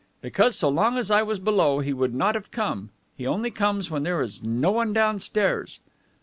"Because so long as I was below he would not have come. He only comes when there is no one downstairs."